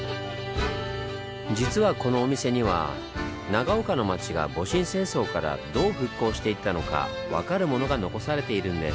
実はこのお店には長岡の町が戊辰戦争からどう復興していったのか分かるものが残されているんです。